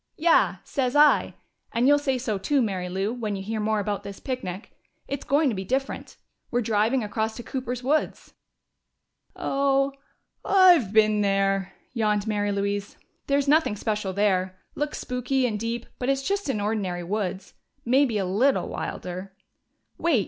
"Yeah! Sez I. And you'll say so too, Mary Lou, when you hear more about this picnic. It's going to be different. We're driving across to Cooper's woods " "Oh, I've been there," yawned Mary Louise. "There's nothing special there. Looks spooky and deep, but it's just an ordinary woods. Maybe a little wilder " "Wait!